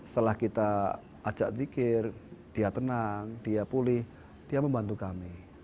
setelah kita ajak zikir dia tenang dia pulih dia membantu kami